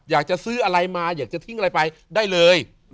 อยากจะซื้ออะไรมาอยากจะทิ้งอะไรไปได้เลย